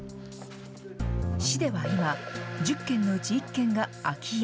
市では今１０軒のうち１軒が空き家。